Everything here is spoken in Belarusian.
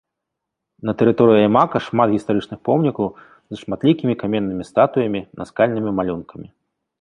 На тэрыторыі аймака шмат гістарычных помнікаў з шматлікімі каменнымі статуямі, наскальнымі малюнкамі.